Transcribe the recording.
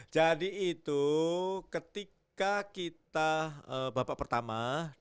jadi itu ketika kita babak pertama dua